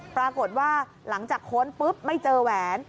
ปรากฏว่าหลังจากค้นปุ๊บไม่เจอแหวน